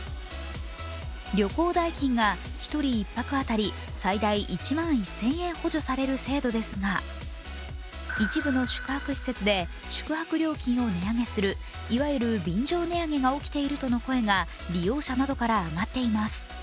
旅行代金が１人１泊当たり最大１万１０００円補助される制度ですが、一部の宿泊施設で宿泊料金を値上げする、いわゆる便乗値上げが起きているとの声が利用者などから上がっています。